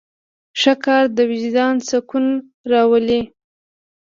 ښه کار د وجدان سکون راولي.